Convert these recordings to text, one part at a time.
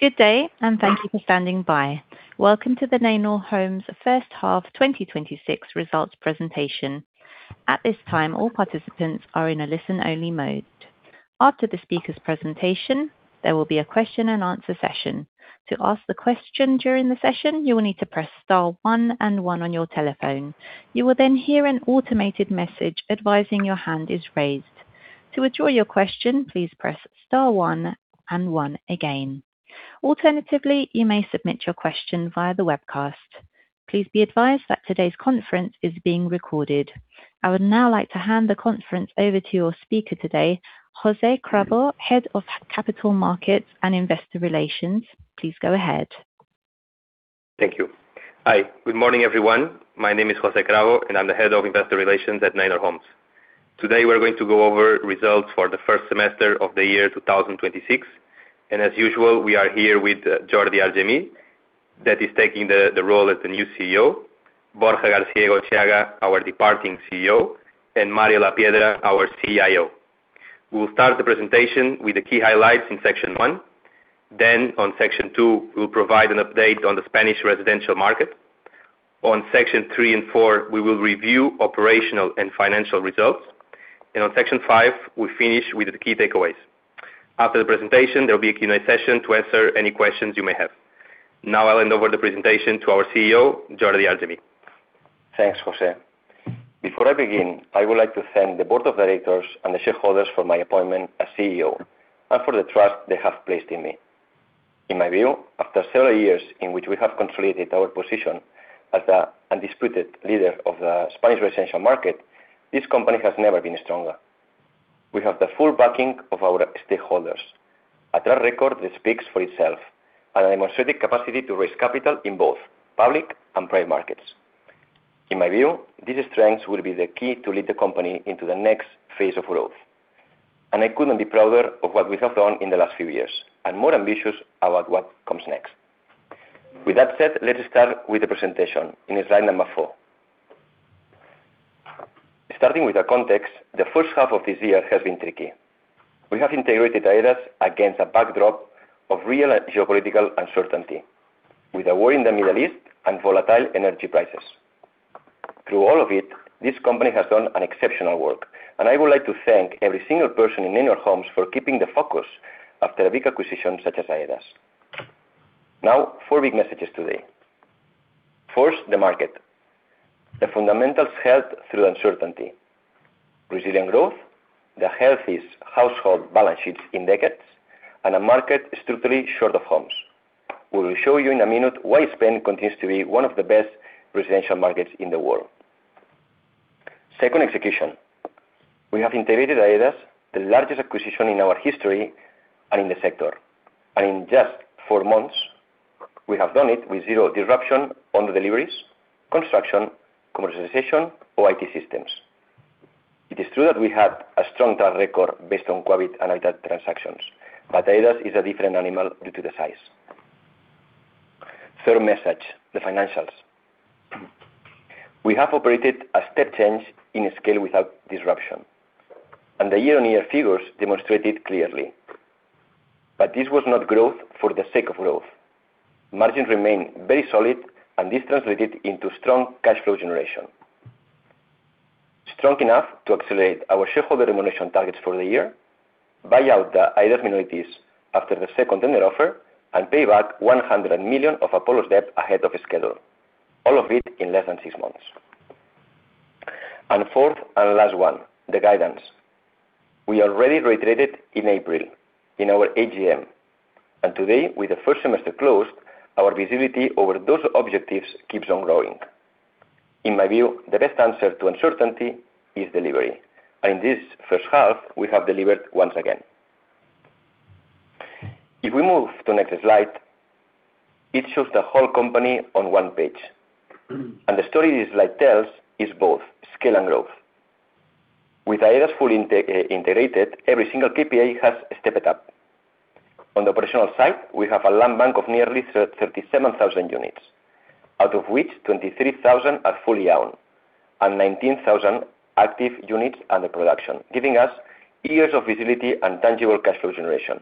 Good day, and thank you for standing by. Welcome to the Neinor Homes first half 2026 results presentation. At this time, all participants are in a listen-only mode. After the speaker's presentation, there will be a question-and-answer session. To ask the question during the session, you will need to press star one and one on your telephone. You will then hear an automated message advising your hand is raised. To withdraw your question, please press star one and one again. Alternatively, you may submit your question via the webcast. Please be advised that today's conference is being recorded. I would now like to hand the conference over to your speaker today, José Cravo, Head of Capital Markets and Investor Relations. Please go ahead. Thank you. Hi. Good morning, everyone. My name is José Cravo, and I'm the Head of Investor Relations at Neinor Homes. Today, we're going to go over results for the first semester of the year 2026. As usual, we are here with Jordi Argemí, that is taking the role as the new CEO, Borja García-Egotxeaga, our departing CEO, and Mario Lapiedra, our CIO. We'll start the presentation with the key highlights in section one. On section two, we'll provide an update on the Spanish residential market. On section three and four, we will review operational and financial results. On section five, we finish with the key takeaways. After the presentation, there'll be a Q&A session to answer any questions you may have. Now I'll hand over the presentation to our CEO, Jordi Argemí. Thanks, José. Before I begin, I would like to thank the board of directors and the shareholders for my appointment as CEO and for the trust they have placed in me. In my view, after several years in which we have consolidated our position as the undisputed leader of the Spanish residential market, this company has never been stronger. We have the full backing of our stakeholders, a track record that speaks for itself and a demonstrated capacity to raise capital in both public and private markets. In my view, this strength will be the key to lead the company into the next phase of growth. I couldn't be prouder of what we have done in the last few years and more ambitious about what comes next. With that said, let's start with the presentation in slide number four. Starting with the context, the first half of this year has been tricky. We have integrated AEDAS against a backdrop of real geopolitical uncertainty, with a war in the Middle East and volatile energy prices. Through all of it, this company has done exceptional work, and I would like to thank every single person in Neinor Homes for keeping the focus after a big acquisition such as AEDAS. Now, four big messages today. First, the market. The fundamentals held through uncertainty, resilient growth, the healthiest household balance sheets in decades, and a market strictly short of homes. We will show you in a minute why Spain continues to be one of the best residential markets in the world. Second, execution. We have integrated AEDAS, the largest acquisition in our history and in the sector. In just four months, we have done it with zero disruption on deliveries, construction, commercialization, or IT systems. It is true that we had a strong track record based on Quabit and AEDAS transactions, but AEDAS is a different animal due to the size. Third message, the financials. We have operated a step change in scale without disruption, and the year-on-year figures demonstrate it clearly. This was not growth for the sake of growth. Margins remained very solid, and this translated into strong cash flow generation. Strong enough to accelerate our shareholder remuneration targets for the year, buy out the AEDAS minorities after the second tender offer, and pay back 100 million of Apollo's debt ahead of schedule, all of it in less than six months. Fourth and last one, the guidance. We already reiterated in April in our AGM, today, with the first semester closed, our visibility over those objectives keeps on growing. In my view, the best answer to uncertainty is delivery, and in this first half, we have delivered once again. If we move to the next slide, it shows the whole company on one page. The story this slide tells is both scale and growth. With AEDAS fully integrated, every single KPI has stepped up. On the operational side, we have a land bank of nearly 37,000 units, out of which 23,000 are fully owned and 19,000 active units under production, giving us years of visibility and tangible cash flow generation.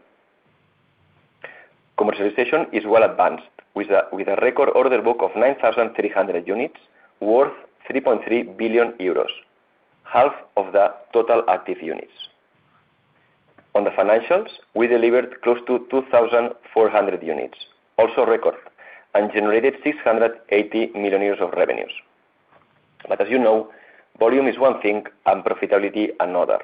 Commercialization is well advanced with a record order book of 9,300 units worth 3.3 billion euros, half of the total active units. On the financials, we delivered close to 2,400 units, also record, and generated 680 million euros of revenues. As you know, volume is one thing and profitability another.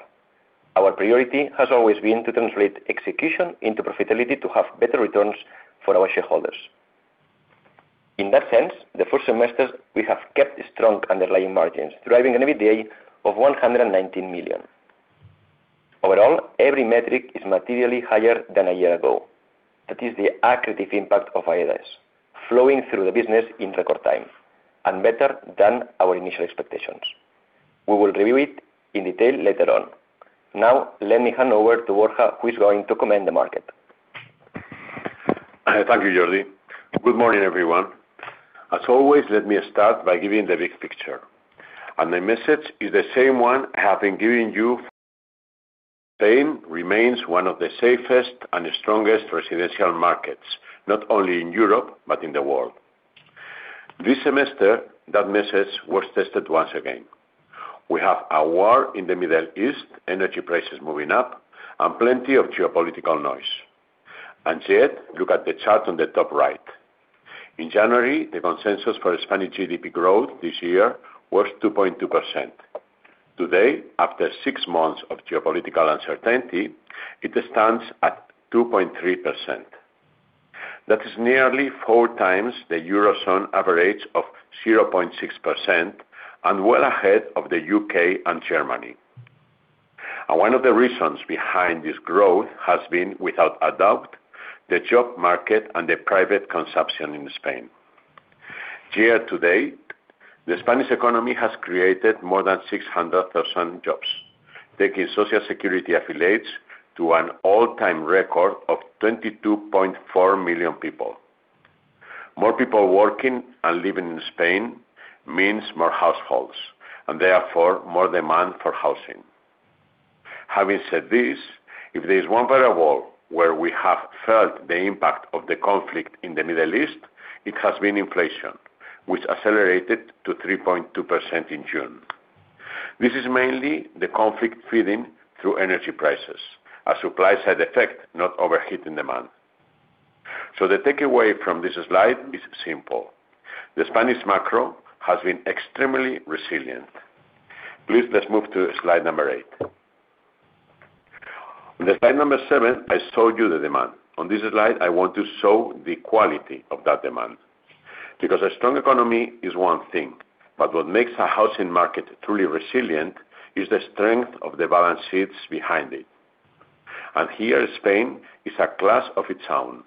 Our priority has always been to translate execution into profitability to have better returns for our shareholders. In that sense, the first semester, we have kept strong underlying margins, driving an EBITDA of 119 million. Overall, every metric is materially higher than a year ago. That is the accretive impact of AEDAS flowing through the business in record time and better than our initial expectations. We will review it in detail later on. Now, let me hand over to Borja, who is going to comment the market. Thank you, Jordi. Good morning, everyone. As always, let me start by giving the big picture. The message is the same one I have been giving you for. Spain remains one of the safest and strongest residential markets, not only in Europe, but in the world. This semester, that message was tested once again. We have a war in the Middle East, energy prices moving up, and plenty of geopolitical noise. Yet, look at the chart on the top right. In January, the consensus for Spanish GDP growth this year was 2.2%. Today, after six months of geopolitical uncertainty, it stands at 2.3%. That is nearly four times the Eurozone average of 0.6%, and well ahead of the U.K. and Germany. One of the reasons behind this growth has been, without a doubt, the job market and the private consumption in Spain. Year-to-date, the Spanish economy has created more than 600,000 jobs, taking Social Security affiliates to an all-time record of 22.4 million people. More people working and living in Spain means more households, and therefore, more demand for housing. Having said this, if there's one variable where we have felt the impact of the conflict in the Middle East, it has been inflation, which accelerated to 3.2% in June. This is mainly the conflict feeding through energy prices, a supply-side effect, not overheating demand. The takeaway from this slide is simple. The Spanish macro has been extremely resilient. Please, let's move to slide number eight. On slide number seven, I showed you the demand. On this slide, I want to show the quality of that demand, because a strong economy is one thing, but what makes a housing market truly resilient is the strength of the balance sheets behind it. Here, Spain is a class of its own.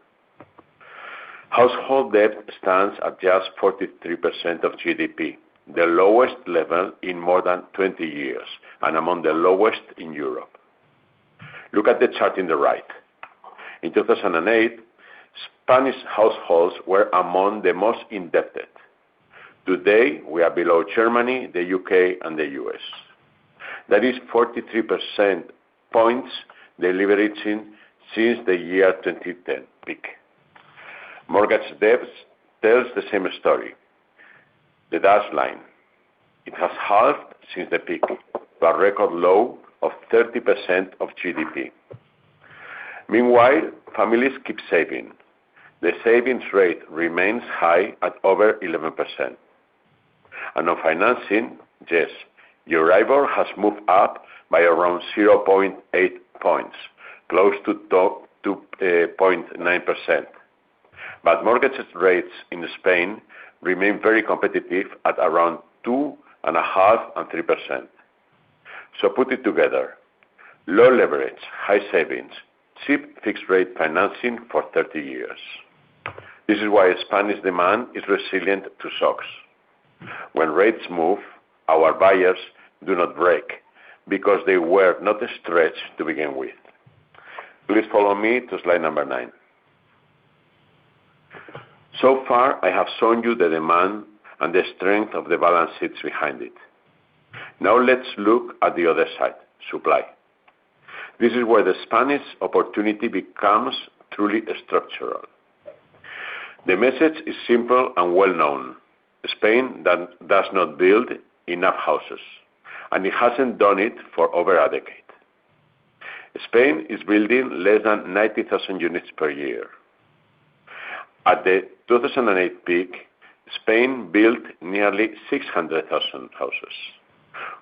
Household debt stands at just 43% of GDP, the lowest level in more than 20 years, and among the lowest in Europe. Look at the chart in the right. In 2008, Spanish households were among the most indebted. Today, we are below Germany, the U.K., and the U.S. That is 43% points deleveraging since the year 2010 peak. Mortgage debt tells the same story. The dashed line, it has halved since the peak to a record low of 30% of GDP. Meanwhile, families keep saving. The savings rate remains high at over 11%. On financing, yes, EURIBOR has moved up by around 0.8 points, close to 2.9%. Mortgage rates in Spain remain very competitive at around 2.5% and 3%. Put it together. Low leverage, high savings, cheap fixed-rate financing for 30 years. This is why Spanish demand is resilient to shocks. When rates move, our buyers do not break because they were not stretched to begin with. Please follow me to slide number nine. Far, I have shown you the demand and the strength of the balance sheets behind it. Now let's look at the other side, supply. This is where the Spanish opportunity becomes truly structural. The message is simple and well-known. Spain does not build enough houses, and it hasn't done it for over a decade. Spain is building less than 90,000 units per year. At the 2008 peak, Spain built nearly 600,000 houses.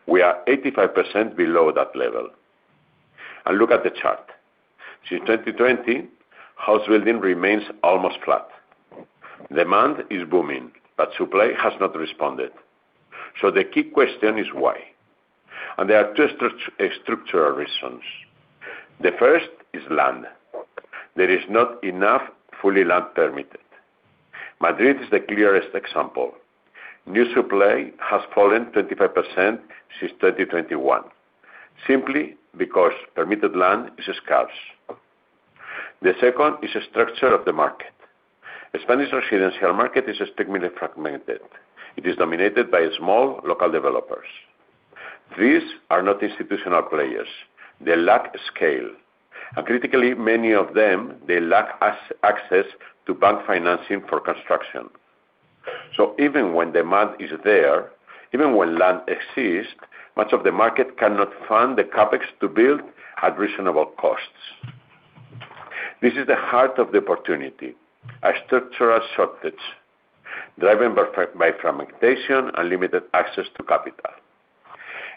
We are 85% below that level. Look at the chart. Since 2020, house building remains almost flat. Demand is booming, supply has not responded. The key question is why? There are two structural reasons. The first is land. There is not enough fully land permitted. Madrid is the clearest example. New supply has fallen 25% since 2021, simply because permitted land is scarce. The second is the structure of the market. Spanish residential market is extremely fragmented. It is dominated by small local developers. These are not institutional players. They lack scale. Critically, many of them, they lack access to bank financing for construction. Even when demand is there, even when land exists, much of the market cannot fund the CapEx to build at reasonable costs. This is the heart of the opportunity, a structural shortage driven by fragmentation and limited access to capital.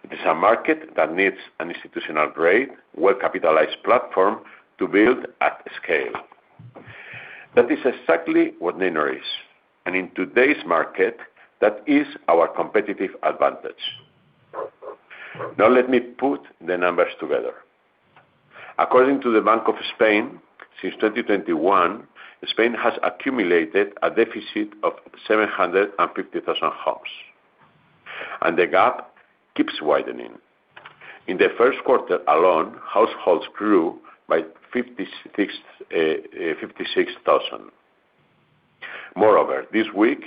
It is a market that needs an institutional-grade, well-capitalized platform to build at scale. That is exactly what Neinor is, and in today's market, that is our competitive advantage. Let me put the numbers together. According to the Bank of Spain, since 2021, Spain has accumulated a deficit of 750,000 homes. The gap keeps widening. In the first quarter alone, households grew by 56,000. Moreover, this week,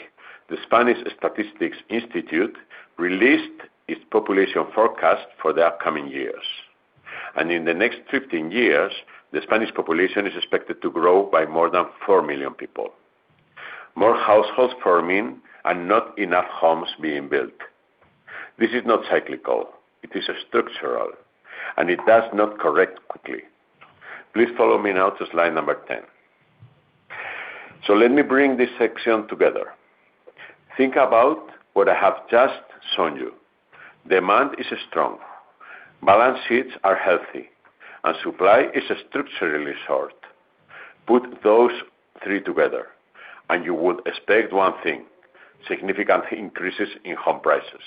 the National Statistics Institute released its population forecast for the upcoming years. In the next 15 years, the Spanish population is expected to grow by more than 4 million people. More households forming and not enough homes being built. This is not cyclical. It is structural, and it does not correct quickly. Please follow me now to slide number 10. Let me bring this section together. Think about what I have just shown you. Demand is strong, balance sheets are healthy, and supply is structurally short. Put those three together and you would expect one thing, significant increases in home prices.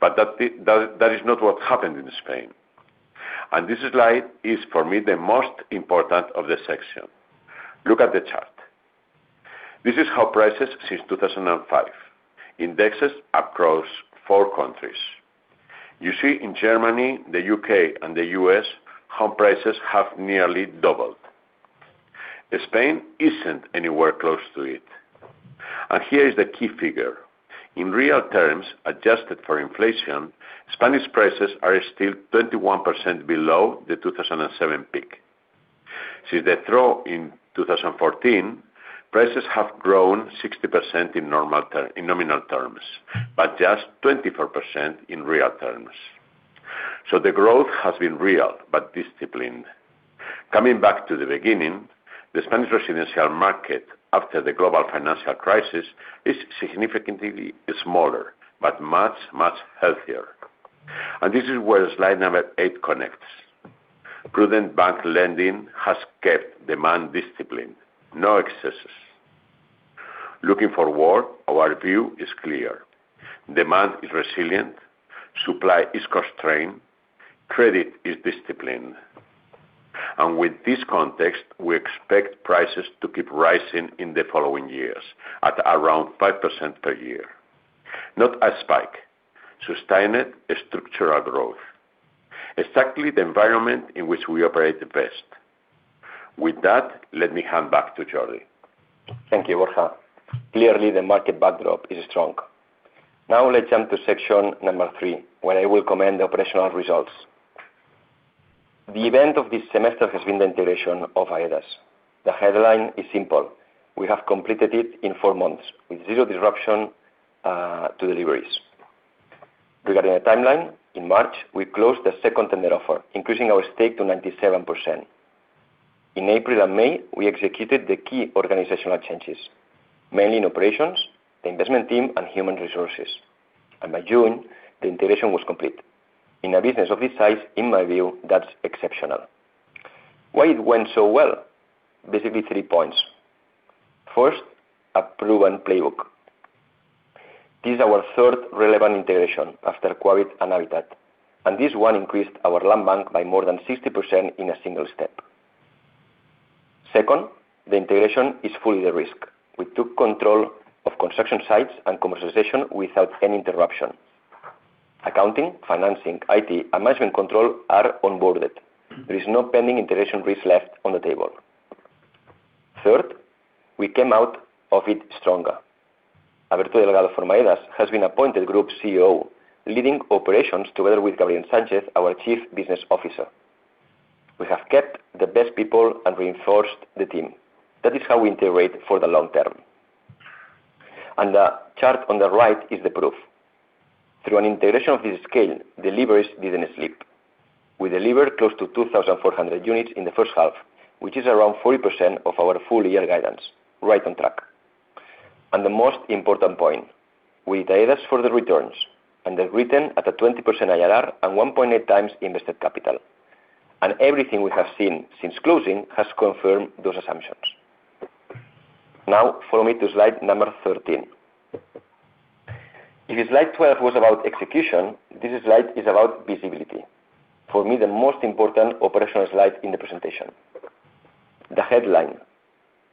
That is not what happened in Spain. This slide is, for me, the most important of the section. Look at the chart. This is home prices since 2005, indexes across four countries. You see in Germany, the U.K., and the U.S., home prices have nearly doubled. Spain isn't anywhere close to it. Here is the key figure. In real terms, adjusted for inflation, Spanish prices are still 21% below the 2007 peak. Since the trough in 2014, prices have grown 60% in nominal terms, but just 24% in real terms. The growth has been real, but disciplined. Coming back to the beginning, the Spanish residential market after the global financial crisis is significantly smaller, but much, much healthier. This is where slide number eight connects. Prudent bank lending has kept demand disciplined, no excesses. Looking forward, our view is clear. Demand is resilient, supply is constrained, credit is disciplined. With this context, we expect prices to keep rising in the following years at around 5% per year. Not a spike, sustained structural growth. Exactly the environment in which we operate the best. With that, let me hand back to Jordi. Thank you, Borja. Clearly the market backdrop is strong. Let's jump to section number three, where I will comment the operational results. The event of this semester has been the integration of AEDAS. The headline is simple. We have completed it in four months with zero disruption to deliveries. Regarding the timeline, in March, we closed the second tender offer, increasing our stake to 97%. In April and May, we executed the key organizational changes, mainly in operations, the investment team, and human resources. By June, the integration was complete. In a business of this size, in my view, that's exceptional. Why it went so well? Basically, three points. First, a proven playbook. This is our third relevant integration after Quabit and Habitat, and this one increased our land bank by more than 60% in a single step. Second, the integration is fully de-risked. We took control of construction sites and commercialization without any interruption. Accounting, financing, IT, and management control are onboarded. There is no pending integration risk left on the table. Third, we came out of it stronger. Alberto Delgado Formaeigas has been appointed Group COO, leading operations together with Gabriel Sánchez, our Chief Business Officer. We have kept the best people and reinforced the team. That is how we integrate for the long term. The chart on the right is the proof. Through an integration of this scale, deliveries didn't slip. We delivered close to 2,400 units in the first half, which is around 40% of our full year guidance, right on track. The most important point, we did AEDAS for the returns, and they've returned at a 20% IRR and 1.8x` invested capital. Everything we have seen since closing has confirmed those assumptions. Follow me to slide 13. If slide 12 was about execution, this slide is about visibility. For me, the most important operational slide in the presentation. The headline,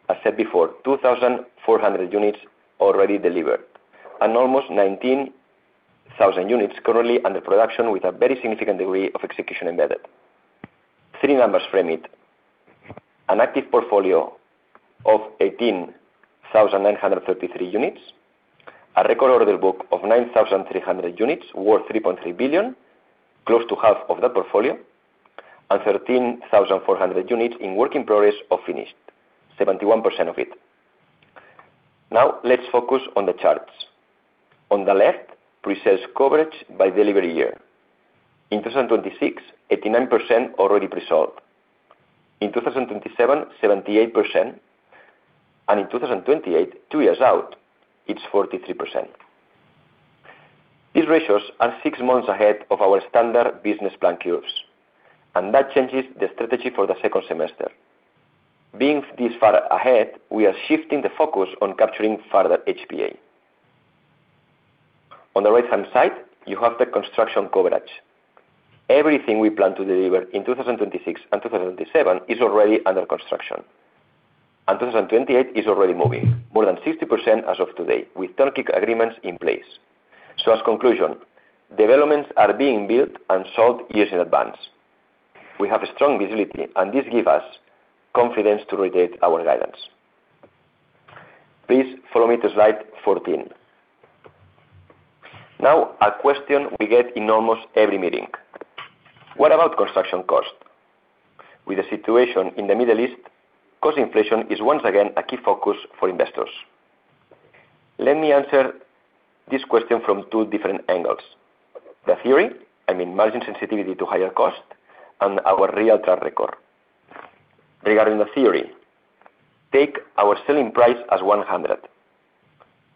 I said before, 2,400 units already delivered and almost 19,000 units currently under production with a very significant degree of execution embedded. Three numbers frame it. An active portfolio of 18,933 units, a record order book of 9,300 units worth 3.3 billion, close to half of that portfolio, and 13,400 units in work-in-progress or finished, 71% of it. Let's focus on the charts. On the left, pre-sales coverage by delivery year. In 2026, 89% already pre-sold. In 2027, 78%, and in 2028, two years out, it's 43%. These ratios are six months ahead of our standard business plan curves, that changes the strategy for the second semester. Being this far ahead, we are shifting the focus on capturing further HPA. On the right-hand side, you have the construction coverage. Everything we plan to deliver in 2026 and 2027 is already under construction. 2028 is already moving, more than 60% as of today, with turnkey agreements in place. As conclusion, developments are being built and sold years in advance. We have a strong visibility, and this give us confidence to reiterate our guidance. Please follow me to slide 14. A question we get in almost every meeting. What about construction cost? With the situation in the Middle East, cost inflation is once again a key focus for investors. Let me answer this question from two different angles. The theory, I mean, margin sensitivity to higher cost, and our real track record. Regarding the theory, take our selling price as 100.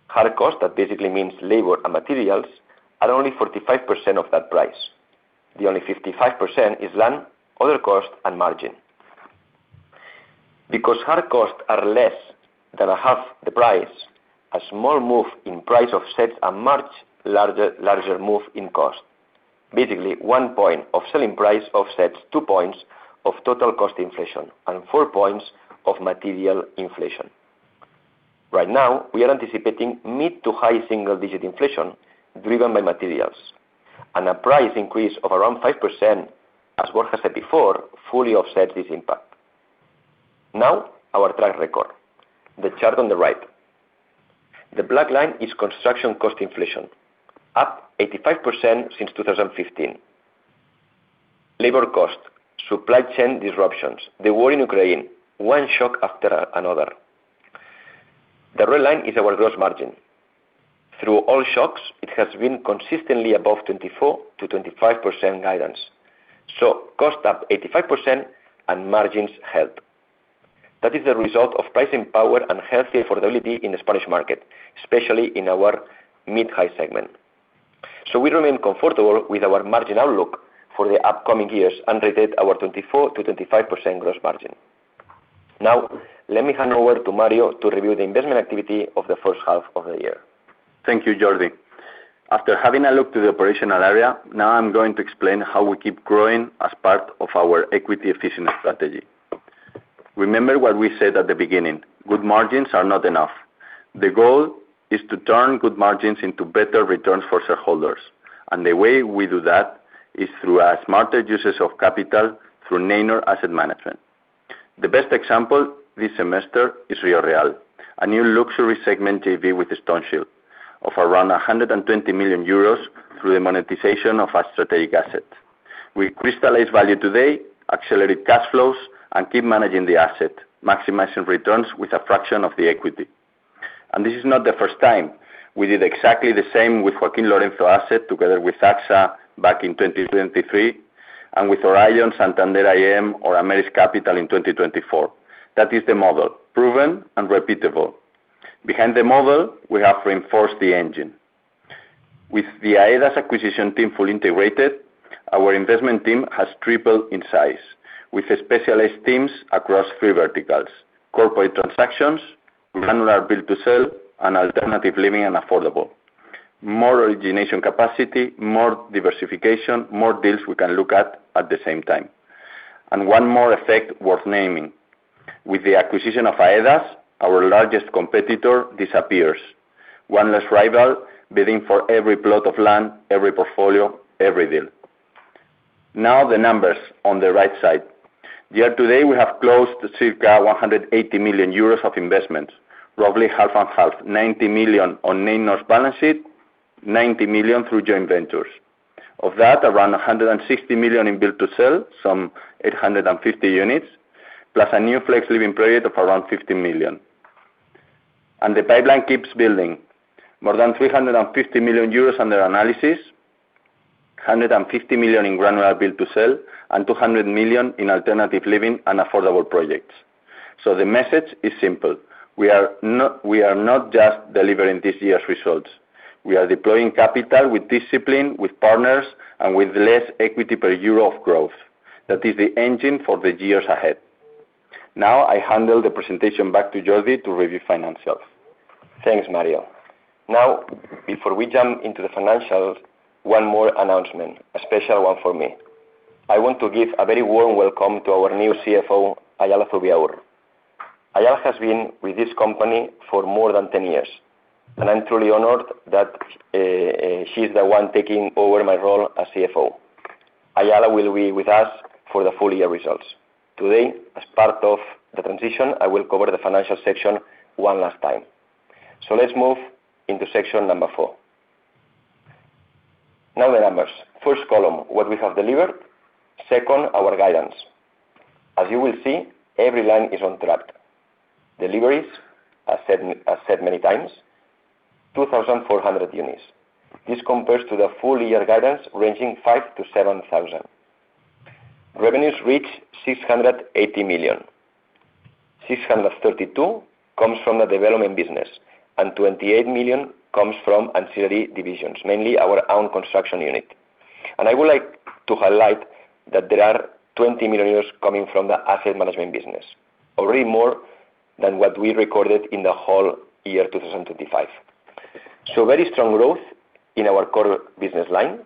Hard cost, that basically means labor and materials, are only 45% of that price. The only 55% is land, other cost, and margin. Because hard costs are less than half the price, a small move in price offsets a much larger move in cost. Basically, one point of selling price offsets two points of total cost inflation, and four points of material inflation. Right now, we are anticipating mid-to-high single-digit inflation driven by materials. A price increase of around 5%, as Borja has said before, fully offset this impact. Now, our track record. The chart on the right. The black line is construction cost inflation, up 85% since 2015. Labor cost, supply chain disruptions, the war in Ukraine, one shock after another. The red line is our gross margin. Through all shocks, it has been consistently above 24%-25% guidance. Cost up 85% and margins held. That is the result of pricing power and healthy affordability in the Spanish market, especially in our mid-high segment. We remain comfortable with our margin outlook for the upcoming years and reiterate our 24%-25% gross margin. Now, let me hand over to Mario to review the investment activity of the first half of the year. Thank you, Jordi. After having a look to the operational area, now I'm going to explain how we keep growing as part of our equity efficient strategy. Remember what we said at the beginning, good margins are not enough. The goal is to turn good margins into better returns for shareholders. The way we do that is through smarter uses of capital through Neinor Asset Management. The best example this semester is Río Real, a new luxury segment JV with Stoneshield of around 120 million euros through the monetization of a strategic asset. We crystallize value today, accelerate cash flows, and keep managing the asset, maximizing returns with a fraction of the equity. This is not the first time. We did exactly the same with Joaquín Lorenzo asset, together with AXA back in 2023, and with Orion, Santander AM, or Ameris Capital in 2024. That is the model, proven and repeatable. Behind the model, we have reinforced the engine. With the AEDAS acquisition team fully integrated, our investment team has tripled in size, with specialized teams across three verticals, corporate transactions, granular build to sell, and alternative living and affordable. More origination capacity, more diversification, more deals we can look at at the same time. One more effect worth naming. With the acquisition of AEDAS, our largest competitor disappears. One less rival bidding for every plot of land, every portfolio, every deal. Now the numbers on the right side. Year to date, we have closed circa 180 million euros of investments, roughly half and half, 90 million on Neinor's balance sheet, 90 million through joint ventures. Of that, around 160 million in build to sell, some 850 units, plus a new Flex Living project of around 50 million. The pipeline keeps building, more than 350 million euros under analysis, 150 million in granular build to sell, and 200 million in alternative living and affordable projects. The message is simple. We are not just delivering this year's results. We are deploying capital with discipline, with partners, and with less equity per euro of growth. That is the engine for the years ahead. I handle the presentation back to Jordi to review financials. Thanks, Mario. Before we jump into the financials, one more announcement, a special one for me. I want to give a very warm welcome to our new CFO, Aiala Zubiaur. Aiala has been with this company for more than 10 years, and I'm truly honored that she's the one taking over my role as CFO. Aiala will be with us for the full year results. Today, as part of the transition, I will cover the financial section one last time. Let's move into section number four. The numbers. First column, what we have delivered. Second, our guidance. As you will see, every line is on track. Deliveries, as said many times, 2,400 units. This compares to the full year guidance ranging 5,000-7,000. Revenues reach 680 million. 632 comes from the development business and 28 million comes from ancillary divisions, mainly our own construction unit. I would like to highlight that there are 20 million euros coming from the asset management business, already more than what we recorded in the whole year 2025. Very strong growth in our core business line,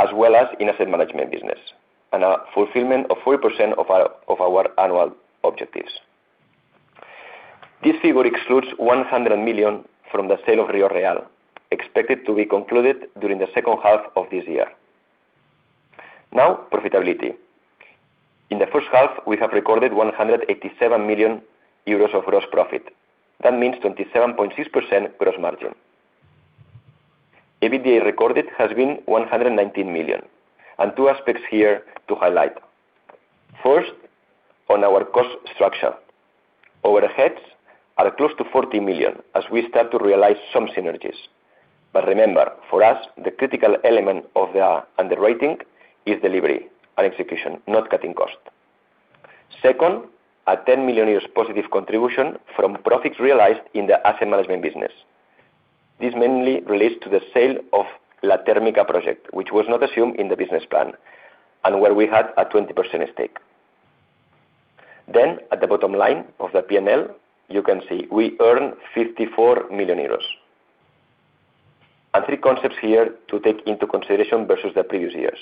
as well as in asset management business, and a fulfillment of 40% of our annual objectives. This figure excludes 100 million from the sale of Río Real, expected to be concluded during the second half of this year. Profitability. In the first half, we have recorded 187 million euros of gross profit. That means 27.6% gross margin. EBITDA recorded has been 119 million, and two aspects here to highlight. First, on our cost structure. Our overheads are close to 40 million as we start to realize some synergies. Remember, for us, the critical element of the underwriting is delivery and execution, not cutting cost. Second, a 10 million positive contribution from profits realized in the asset management business. This mainly relates to the sale of La Térmica project, which was not assumed in the business plan, and where we had a 20% stake. At the bottom line of the P&L, you can see we earn 54 million euros. Three concepts here to take into consideration versus the previous years.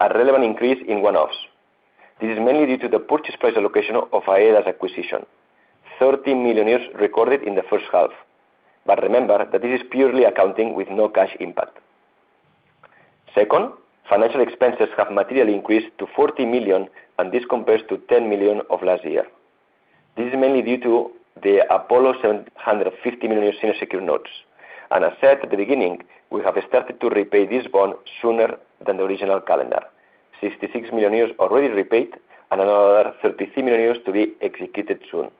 A relevant increase in one-offs. This is mainly due to the purchase price allocation of AEDAS acquisition, 30 million recorded in the first half. Remember that this is purely accounting with no cash impact. Second, financial expenses have materially increased to 40 million, and this compares to 10 million of last year. This is mainly due to the Apollo 750 million senior secured notes. As said at the beginning, we have started to repay this bond sooner than the original calendar. 66 million euros already repaid and another 33 million euros to be executed soon.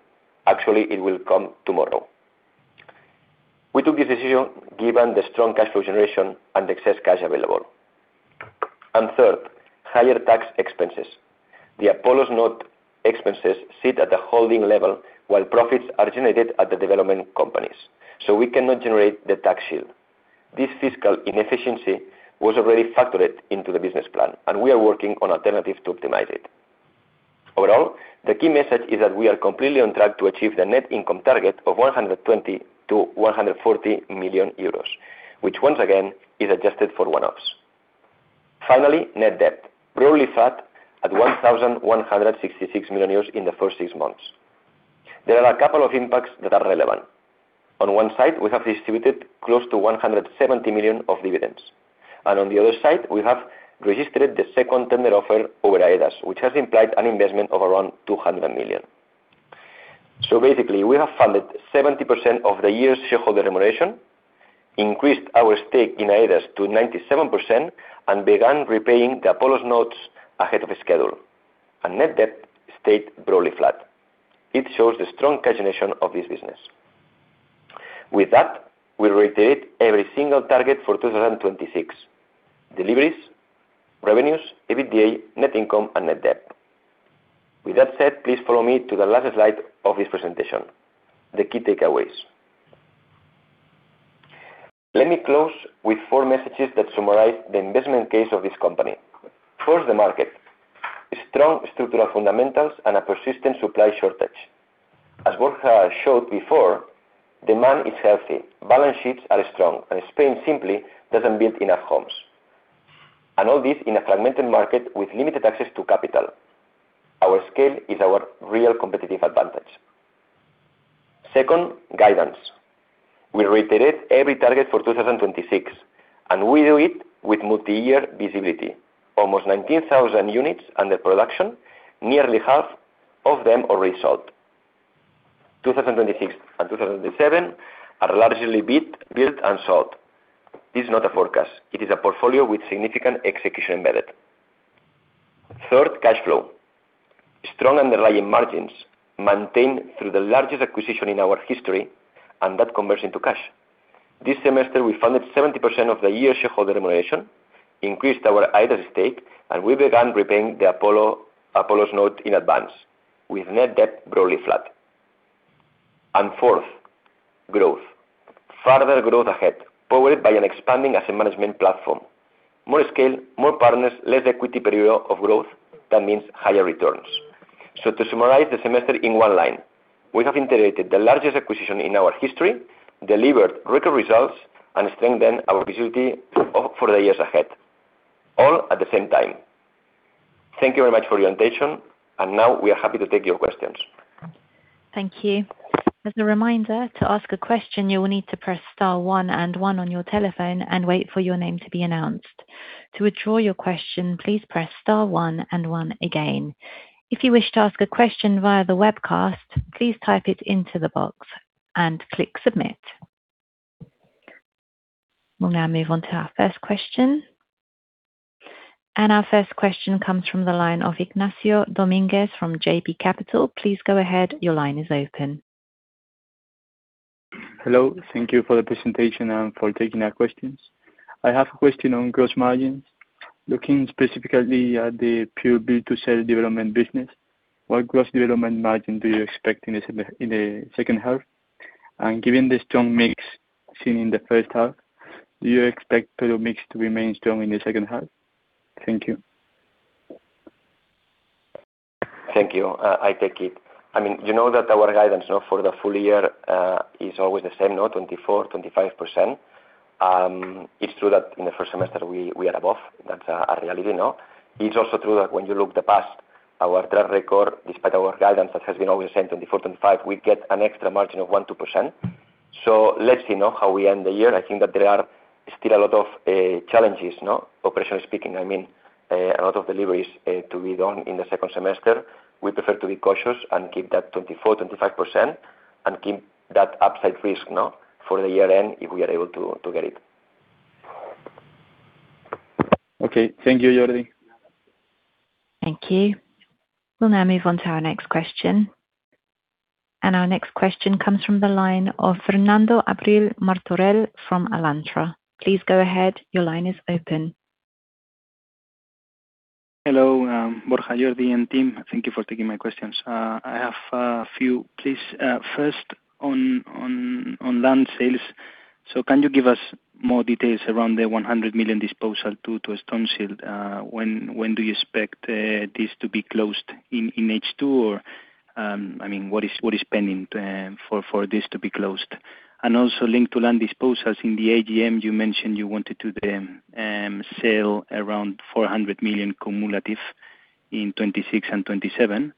Actually, it will come tomorrow. We took this decision given the strong cash flow generation and excess cash available. Third, higher tax expenses. The Apollo's note expenses sit at the holding level while profits are generated at the development companies, so we cannot generate the tax shield. This fiscal inefficiency was already factored into the business plan, and we are working on alternatives to optimize it. Overall, the key message is that we are completely on track to achieve the net income target of 120 million-140 million euros, which once again is adjusted for one-offs. Finally, net debt, broadly flat at 1,166 million euros in the first six months. There are a couple of impacts that are relevant. On one side, we have distributed close to 170 million of dividends. On the other side, we have registered the second tender offer over AEDAS Homes, which has implied an investment of around 200 million. Basically, we have funded 70% of the year's shareholder remuneration, increased our stake in AEDAS Homes to 97%, and began repaying the Apollo's notes ahead of schedule. Net debt stayed broadly flat. It shows the strong cash generation of this business. With that, we reiterate every single target for 2026: deliveries, revenues, EBITDA, net income and net debt. That said, please follow me to the last slide of this presentation, the key takeaways. Let me close with four messages that summarize the investment case of this company. First, the market. Strong structural fundamentals and a persistent supply shortage. As Borja showed before, demand is healthy, balance sheets are strong, and Spain simply doesn't build enough homes. All this in a fragmented market with limited access to capital. Our scale is our real competitive advantage. Second, guidance. We reiterate every target for 2026, and we do it with multi-year visibility. Almost 19,000 units under production, nearly half of them already sold. 2026 and 2027 are largely built and sold. This is not a forecast. It is a portfolio with significant execution embedded. Third, cash flow. Strong underlying margins maintained through the largest acquisition in our history, and that converts into cash. This semester, we funded 70% of the year's shareholder remuneration, increased our AEDAS stake, and we began repaying the Apollo's note in advance, with net debt broadly flat. Fourth, growth. Further growth ahead, powered by an expanding asset management platform. More scale, more partners, less equity period of growth, that means higher returns. To summarize the semester in one line, we have integrated the largest acquisition in our history, delivered record results, and strengthened our visibility for the years ahead, all at the same time. Thank you very much for your attention. Now we are happy to take your questions. Thank you. As a reminder, to ask a question, you will need to press star one and one on your telephone and wait for your name to be announced. To withdraw your question, please press star one and one again. If you wish to ask a question via the webcast, please type it into the box and click submit. We'll now move on to our first question. Our first question comes from the line of Ignacio Domínguez from JB Capital. Please go ahead. Your line is open. Hello. Thank you for the presentation and for taking our questions. I have a question on gross margins. Looking specifically at the pure B2C development business, what gross development margin do you expect in the second half? Given the strong mix seen in the first half, do you expect product mix to remain strong in the second half? Thank you. Thank you. I take it. You know that our guidance for the full year is always the same, 24%, 25%. It's true that in the first semester we are above. That's a reality. It's also true that when you look the past, our track record, despite our guidance that has been always saying 24%, 25%, we get an extra margin of 1%-2%. Let's see how we end the year. I think that there are still a lot of challenges, operationally speaking. A lot of deliveries to be done in the second semester. We prefer to be cautious and keep that 24%, 25%, and keep that upside risk for the year end if we are able to get it. Okay. Thank you, Jordi. Thank you. We'll now move on to our next question. Our next question comes from the line of Fernando Abril-Martorell from Alantra. Please go ahead. Your line is open. Hello, Borja, Jordi, and team. Thank you for taking my questions. I have a few. Please, first, on land sales. Can you give us more details around the 100 million disposal to Stoneshield? When do you expect this to be closed, in H2? What is pending for this to be closed? Also linked to land disposals, in the AGM, you mentioned you wanted to sell around 400 million cumulative in 2026 and 2027.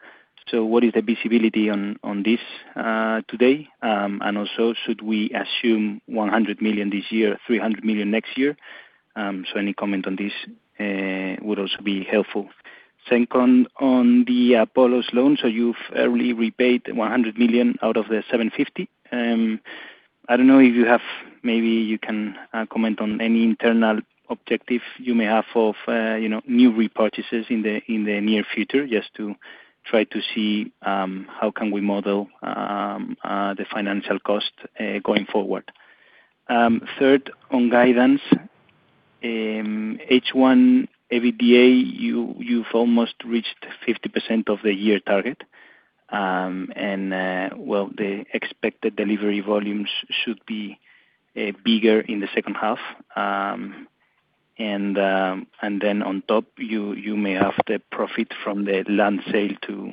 What is the visibility on this today? Also, should we assume 100 million this year, 300 million next year? Any comment on this would also be helpful. Second, on the Apollo's loan, you've early repaid 100 million out of the 750 million. I don't know if maybe you can comment on any internal objective you may have of new repurchases in the near future, just to try to see how can we model the financial cost going forward. Third, on guidance. H1, EBITDA, you've almost reached 50% of the year target. Well, the expected delivery volumes should be bigger in the second half. Then on top, you may have the profit from the land sale to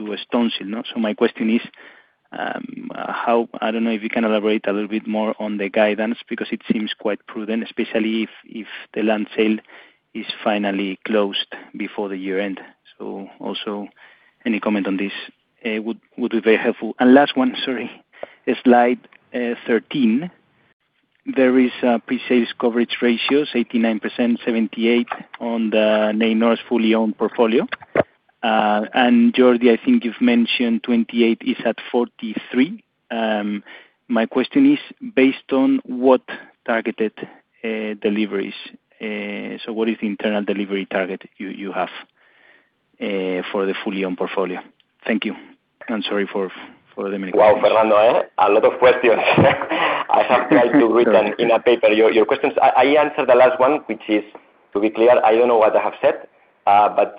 Stoneshield. My question is, I don't know if you can elaborate a little bit more on the guidance, because it seems quite prudent, especially if the land sale is finally closed before the year end. Also, any comment on this would be very helpful. Last one, sorry. Slide 13. There is pre-sales coverage ratios, 89%, 78% on the Neinor's fully owned portfolio. Jordi, I think you've mentioned 2028 is at 43%. My question is, based on what targeted deliveries, what is the internal delivery target you have for the fully owned portfolio? Thank you. Sorry for the many questions. Wow, Fernando, a lot of questions. I have tried to write them in a paper, your questions. I answered the last one, which is, to be clear, I don't know what I have said.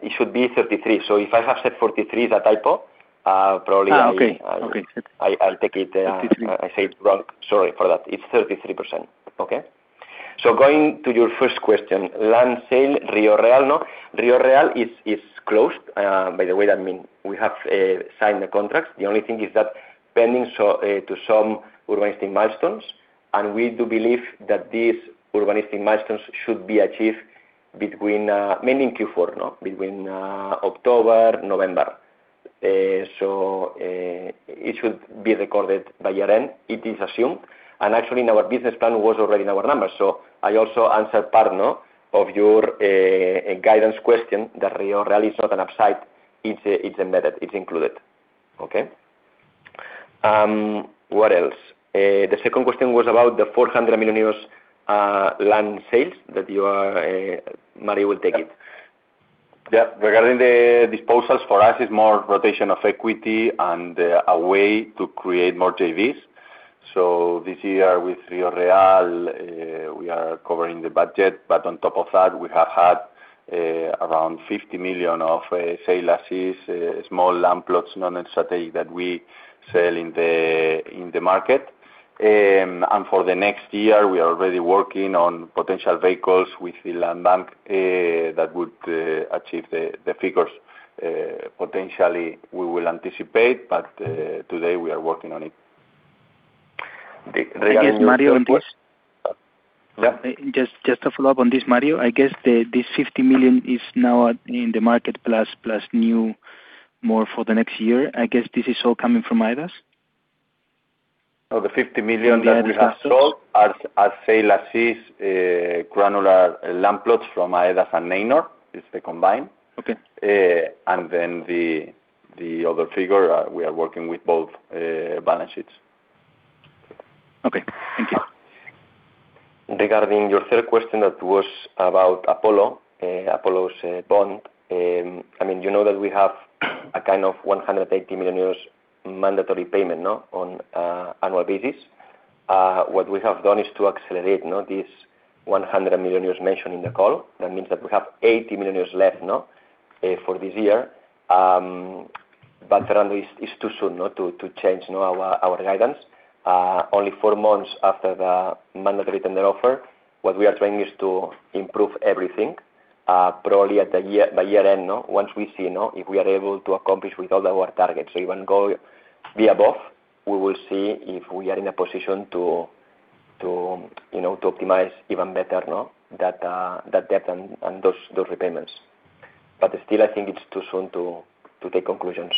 It should be 33. If I have said 43, it's a typo. Okay I'll take it. I said it wrong. Sorry for that. It's 33%. Going to your first question, land sale, Río Real. Río Real is closed, by the way. That means we have signed the contract. The only thing is that pending to some urbanistic milestones, and we do believe that these urbanistic milestones should be achieved mainly in Q4. Between October, November. It should be recorded by year-end. It is assumed. Actually, in our business plan, it was already in our numbers. I also answered part of your guidance question that Río Real is not an upside, it's embedded, it's included. What else? The second question was about the 400 million euros land sales. Mario will take it. Yep. Regarding the disposals, for us, it's more rotation of equity and a way to create more JVs. This year with Río Real, we are covering the budget, but on top of that, we have had around 50 million of sale of assets, small land plots, non-strategic, that we sell in the market. For the next year, we are already working on potential vehicles with the land bank that would achieve the figures, potentially we will anticipate. Today we are working on it. I guess, Mario, on this- Yeah. Just to follow up on this, Mario. I guess this 50 million is now in the market plus new more for the next year. I guess this is all coming from AEDAS? Of the 50 million that we have sold are sale of assets, granular land plots from AEDAS and Neinor. It is the combined. Okay. The other figure, we are working with both balance sheets. Okay. Thank you. Regarding your third question that was about Apollo's bond. You know that we have a kind of 180 million euros mandatory payment on annual basis. What we have done is to accelerate this 100 million mentioned in the call. That means that we have 80 million left for this year. Fernando, it's too soon to change our guidance, only four months after the mandatory tender offer. What we are trying is to improve everything. Probably at the year-end, once we see if we are able to accomplish with all our targets. Even go be above, we will see if we are in a position to optimize even better that debt and those repayments. Still, I think it's too soon to take conclusions.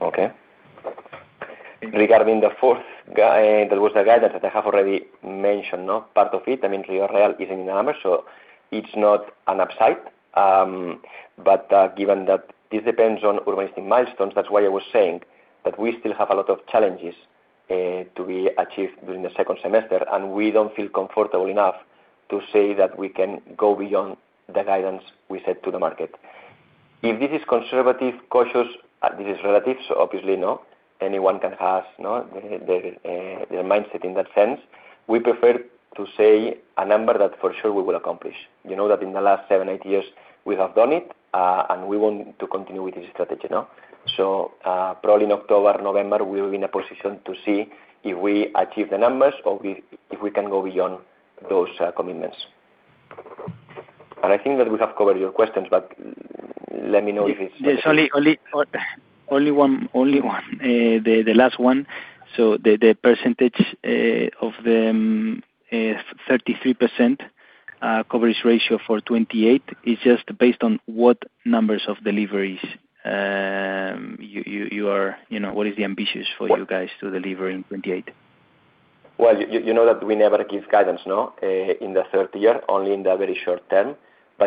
Okay. Regarding the fourth, there was a guidance that I have already mentioned part of it. Real is in number, it's not an upside. Given that this depends on urbanistic milestones, that's why I was saying that we still have a lot of challenges to be achieved during the second semester, and we don't feel comfortable enough to say that we can go beyond the guidance we set to the market. If this is conservative, cautious, this is relative, obviously, anyone can have their mindset in that sense. We prefer to say a number that for sure we will accomplish. You know that in the last seven, eight years we have done it, and we want to continue with this strategy. Probably in October, November, we will be in a position to see if we achieve the numbers or if we can go beyond those commitments. I think that we have covered your questions, but let me know if it's. Yes, only one. The last one. The percentage of the 33% coverage ratio for 2028 is just based on what numbers of deliveries you are. What is the ambition for you guys to deliver in 2028? Well, you know that we never give guidance in the third year, only in the very short term,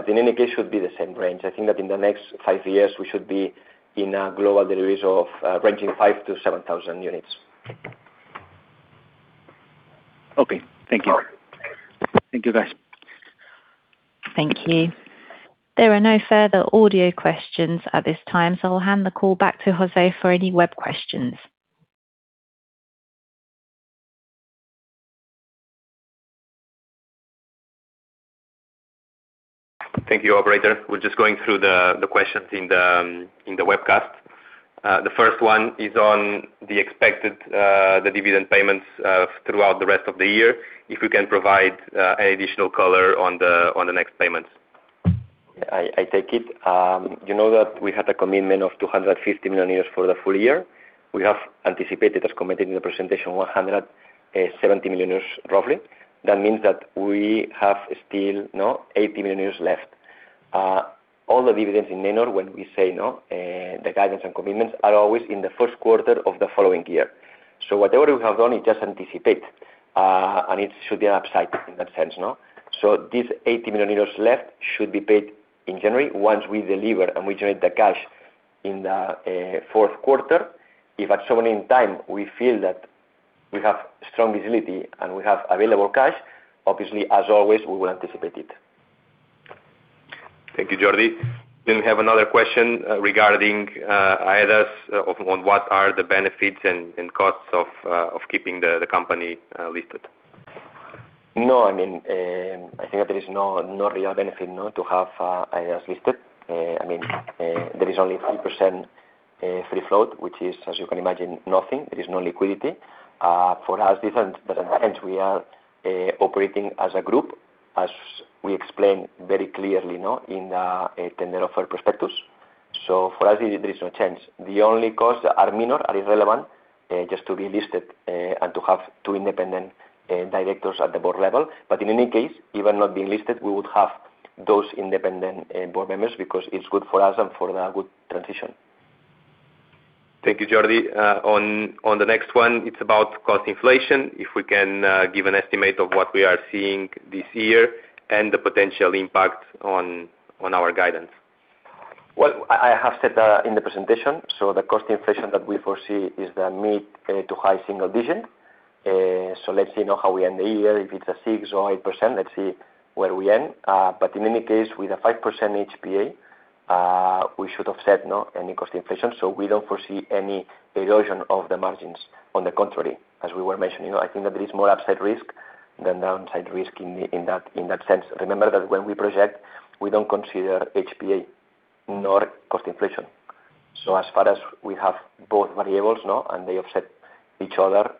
in any case, should be the same range. I think that in the next five years, we should be in a global deliveries of ranging 5,000-7,000 units. Okay. Thank you. Thank you, guys. Thank you. There are no further audio questions at this time. I'll hand the call back to José for any web questions. Thank you, operator. We're just going through the questions in the webcast. The first one is on the dividend payments throughout the rest of the year. If we can provide any additional color on the next payments. I take it. You know that we had a commitment of 250 million euros for the full year. We have anticipated, as committed in the presentation, 170 million euros, roughly. That means that we have still 80 million euros left. All the dividends in Neinor when we say the guidance and commitments are always in the first quarter of the following year. Whatever we have done is just anticipate, and it should be upside in that sense. This 80 million euros left should be paid in January once we deliver and we generate the cash in the fourth quarter. If at some point in time we feel that we have strong visibility and we have available cash, obviously, as always, we will anticipate it. Thank you, Jordi. We have another question regarding AEDAS on what are the benefits and costs of keeping the company listed. No, I think that there is no real benefit to have AEDAS listed. There is only 5% free float, which is, as you can imagine, nothing. There is no liquidity. For us, different, but at the end, we are operating as a group, as we explained very clearly in the tender offer prospectus. For us, there is no change. The only costs are minor, are irrelevant, just to be listed, and to have two independent directors at the board level. In any case, even not being listed, we would have those independent board members because it's good for us and for the good transition. Thank you, Jordi. On the next one, it's about cost inflation. If we can give an estimate of what we are seeing this year and the potential impact on our guidance. Well, I have said that in the presentation. The cost inflation that we foresee is the mid to high single-digit. Let's see how we end the year. If it's a 6% or 8%, let's see where we end. In any case, with a 5% HPA, we should offset any cost inflation. We don't foresee any erosion of the margins. On the contrary, as we were mentioning, I think that there is more upside risk than downside risk in that sense. Remember that when we project, we don't consider HPA nor cost inflation. As far as we have both variables, and they offset each other,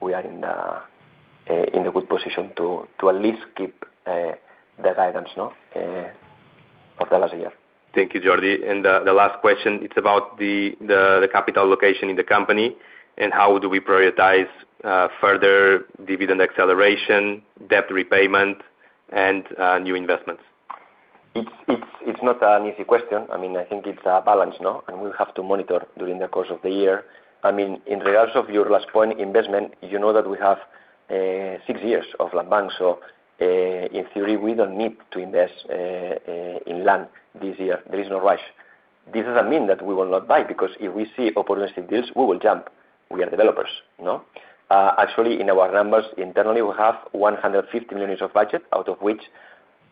we are in a good position to at least keep the guidance of the last year. Thank you, Jordi. The last question, it's about the capital allocation in the company and how do we prioritize further dividend acceleration, debt repayment, and new investments. It's not an easy question. I think it's a balance. We have to monitor during the course of the year. In regards of your last point, investment, you know that we have six years of land bank. In theory, we don't need to invest in land this year. There is no rush. This doesn't mean that we will not buy, because if we see opportunistic deals, we will jump. We are developers. Actually, in our numbers internally, we have 150 million euros of budget, out of which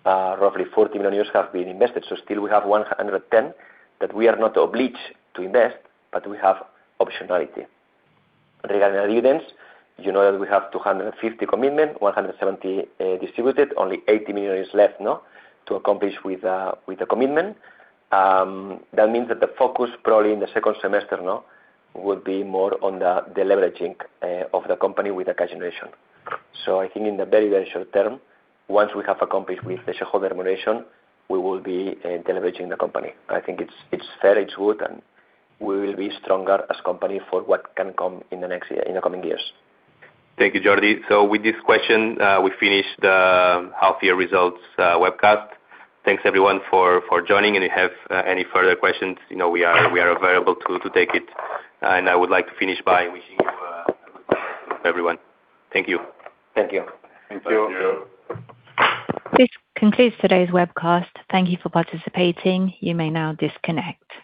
roughly 40 million euros have been invested. Still we have 110 million that we are not obliged to invest, but we have optionality. Regarding dividends, you know that we have 250 million commitment, 170 million distributed, only 80 million is left to accomplish with the commitment. That means that the focus probably in the second semester will be more on the deleveraging of the company with the cash generation. I think in the very, very short-term, once we have accomplished with the shareholder remuneration, we will be deleveraging the company. I think it's fair, it's good, and we will be stronger as company for what can come in the coming years. Thank you, Jordi. With this question, we finish the half-year results webcast. Thanks, everyone, for joining. If you have any further questions, we are available to take it. I would like to finish by wishing you a good day, everyone. Thank you. Thank you. Thank you. This concludes today's webcast. Thank you for participating. You may now disconnect.